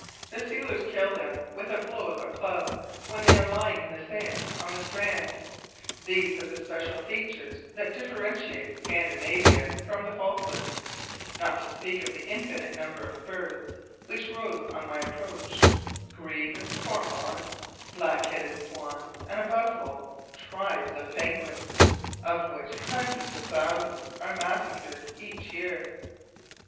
The sealers kill them with a blow of a club when they are lying in the sands on the strand. These are the special features that differentiate Scandinavia from the Falklands, not to speak of the infinite number of birds which rose on my approach, grebe, cormorants, black headed swans, and above all, tribes of penguins, of which hundreds of thousands are massacred every year.